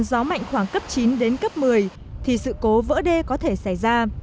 gió mạnh khoảng cấp chín đến cấp một mươi thì sự cố vỡ đê có thể xảy ra